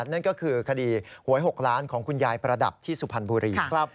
นั่นก็คือคดีหวย๖ล้านของคุณยายประดับที่สุพรรณบุรี